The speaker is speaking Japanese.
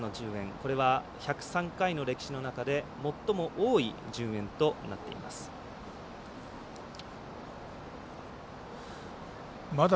これは１０３回の歴史の中で最も多い順延となっています。